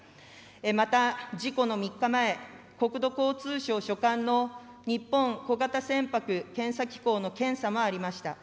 また、事故の３日前、国土交通省所管の日本小型船舶検査機構の検査もありました。